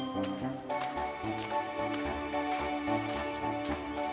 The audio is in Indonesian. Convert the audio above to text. kau akan menangkap kucing kucing di tempat kumuh